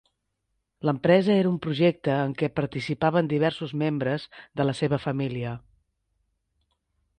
L'empresa era un projecte en què participaven diversos membres de la seva família.